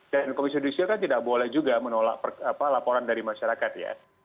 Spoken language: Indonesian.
dan komisi judicial kan tidak boleh juga menolak laporan dari masyarakat ya